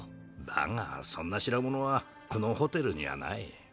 だがそんな代物はこのホテルにはない。